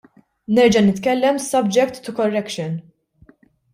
Nerġa' nitkellem subject to correction.